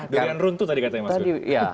dengan runtuh tadi katanya mas